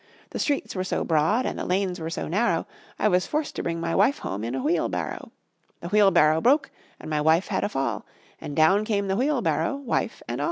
The streets were so broad and the lanes were so narrow, I was forced to bring my wife home in a wheelbarrow; The wheelbarrow broke and my wife had a fall, And down came the wheelbarrow, wife and all.